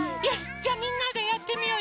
じゃあみんなでやってみよう。